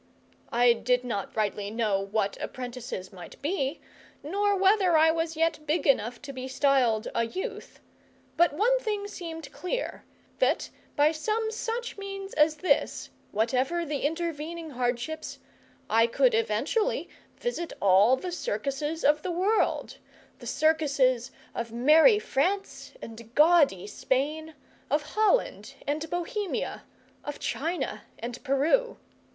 I did not rightly know what apprentices might be, nor whether I was yet big enough to be styled a youth; but one thing seemed clear, that, by some such means as this, whatever the intervening hardships, I could eventually visit all the circuses of the world the circuses of merry France and gaudy Spain, of Holland and Bohemia, of China and Peru.